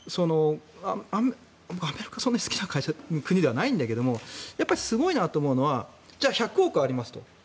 アメリカはそんなに好きな国ではないんだけどすごいなと思うのはじゃあ１００億ありますと。